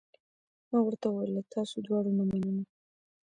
ما ورته وویل: له تاسو دواړو نه مننه.